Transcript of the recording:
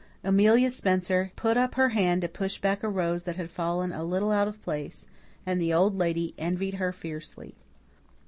Amelia Spencer put up her hand to push back a rose that had fallen a little out of place, and the Old Lady envied her fiercely.